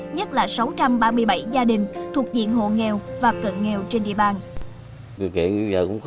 nhất là sáu trăm ba mươi bảy gia đình thuộc diện hộ nghèo và cận nghèo trên địa bàn